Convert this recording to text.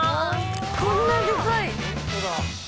こんなでかい。